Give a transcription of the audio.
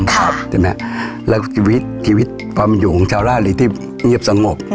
โทรงสวยงามค่ะใช่ไหมแล้วชีวิตชีวิตความอยู่ของชาวราฬีที่เงียบสงบ